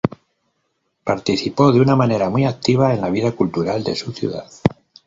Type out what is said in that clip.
Participó de una manera muy activa en la vida cultural de su ciudad.